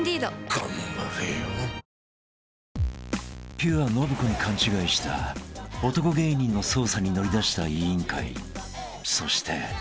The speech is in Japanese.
［ピュア信子に勘違いした男芸人の捜査に乗り出した『委員会』そして］